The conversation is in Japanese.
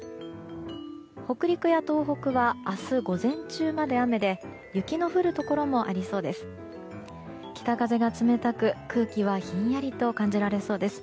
北陸や東北は明日午前中まで雨で雪の降るところもありそうです。